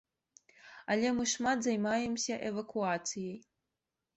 Але мы шмат займаемся эвакуацыяй.